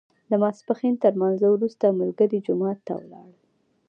د ماسپښین تر لمانځه وروسته ملګري جومات ته ولاړل.